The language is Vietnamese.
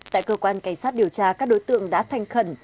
tại cơ quan cảnh sát điều tra các đối tượng đã thanh khẩn